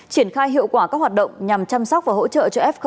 triển khai hiệu quả các hoạt động nhằm chăm sóc và hỗ trợ cho fco